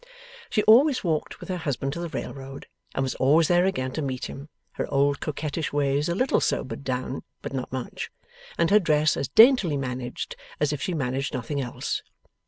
She always walked with her husband to the railroad, and was always there again to meet him; her old coquettish ways a little sobered down (but not much), and her dress as daintily managed as if she managed nothing else.